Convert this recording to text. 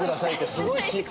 すごい！